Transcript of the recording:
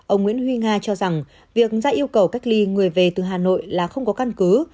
ông nguyễn huy nga cho rằng việc ra yêu cầu cách ly người về từ hà nội là không có căn cứ